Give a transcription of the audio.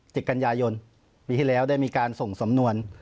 ติดกันยายนปีที่แล้วได้มีการส่งสำนวน